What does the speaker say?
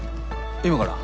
今から？